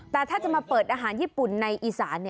แต่ถ้าจะมาเปิดอาหารญี่ปุ่นในอีสาน